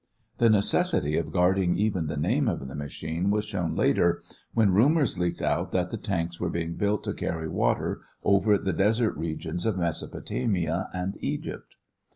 The necessity of guarding even the name of the machines was shown later, when rumors leaked out that the tanks were being built to carry water over the desert regions of Mesopotamia and Egypt.